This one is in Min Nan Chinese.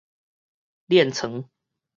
輾床